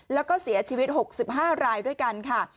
แล้วก็เสียชีวิต๖๕รายด้วยกันค่ะ